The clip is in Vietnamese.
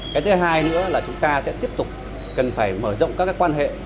cái thứ hai nữa là chúng ta sẽ tiếp tục cần phải mở rộng các quan hệ